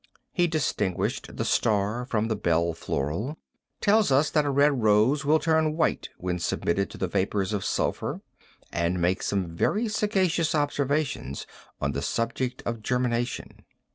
He distinguished the star from the bell floral, tells us that a red rose will turn white when submitted to the vapor of sulphur and makes some very sagacious observations on the subject of germination.